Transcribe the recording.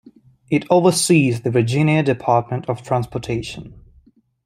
It oversees the Virginia Department of Transportation.